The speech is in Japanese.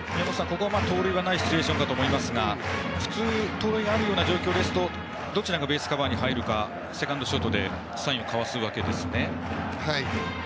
ここは盗塁はないシチュエーションかと思いますが普通、盗塁があるような状況ですとどちらがベースカバーかセカンドとショートでサインを交わしますね。